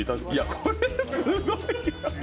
これ、すごい。